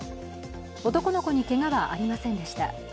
男の子にけがはありませんでした。